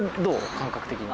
感覚的に。